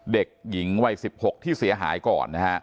เด็กหญิงวัย๑๖ที่เสียหายก่อนนะฮะ